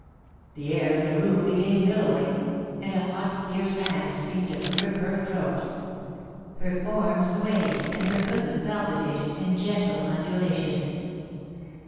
The air and the room became billowy, and a hot, fierce hand seemed to grip her throat Her form swayed and her bosom palpitated in gentle undulations.